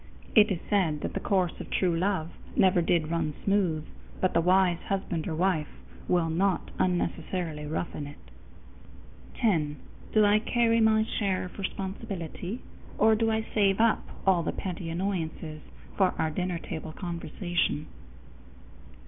It is said that the course of true love never did run smooth, but the wise husband or wife will not unnecessarily roughen it. _10. Do I carry my share of responsibility, or do I save up all the petty annoyances for our dinner table conversation?